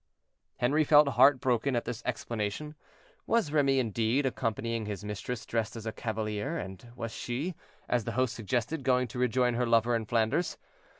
Henri felt heart broken at this explanation. Was Remy, indeed, accompanying his mistress dressed as a cavalier; and was she, as the host suggested, going to rejoin her lover in Flanders?